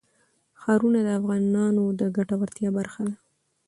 ښارونه د افغانانو د ګټورتیا برخه ده.